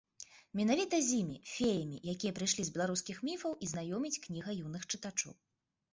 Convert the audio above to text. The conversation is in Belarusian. Менавіта з імі, феямі, якія прыйшлі з беларускіх міфаў, і знаёміць кніга юных чытачоў.